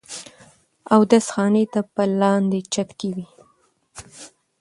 اودس خانې پۀ لاندې چت کښې وې